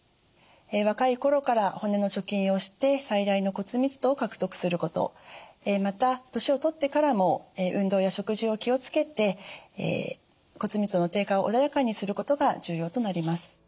若い頃から骨の貯金をして最大の骨密度を獲得することまた年をとってからも運動や食事を気を付けて骨密度の低下を穏やかにすることが重要となります。